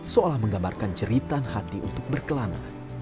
seolah menggambarkan jeritan hati untuk berkelana